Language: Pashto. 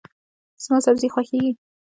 زما سبزي خوښیږي.